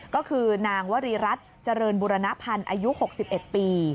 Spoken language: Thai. ก็คือนางวรีรัฐเจริญบุรณพันธ์อายุ๖๑ปี